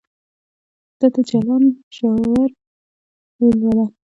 ته د جلان ژور ولوله